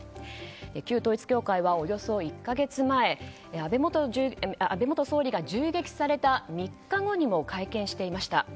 旧統一教会はおよそ１か月前安倍元総理が銃撃された３日後にも会見していました。